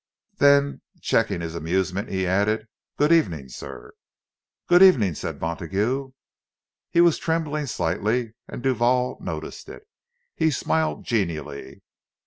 Then, checking his amusement, he added, "Good evening, sir." "Good evening," said Montague. He was trembling slightly, and Duval noticed it; he smiled genially.